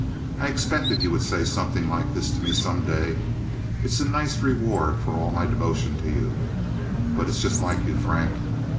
I expected you would say something like this to me some day. It's a nice reward for all my devotion to you; but it's just like you, Frank.